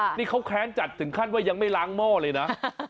นี่เขาแค้นจัดถึงขั้นว่ายังไม่ล้างหม้อเลยนะ